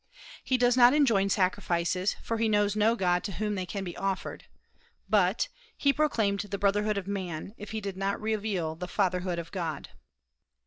He does not enjoin sacrifices, for he knows no god to whom they can be offered; but "he proclaimed the brotherhood of man, if he did not reveal the fatherhood of God."